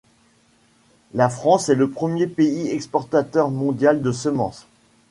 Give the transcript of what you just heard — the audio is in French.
La France est le premier pays exportateur mondial de semences.